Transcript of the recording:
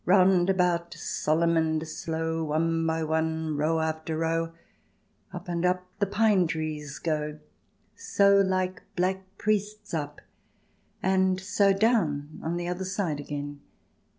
Round about, solemn and slow, One by one, row after row, Up and up the pine trees go, So like black priests up — and so Down on the other side again.